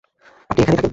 আপনি এখানেই থাকেন?